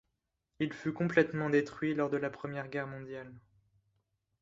Il fut complètement détruit lors de la Première Guerre mondiale.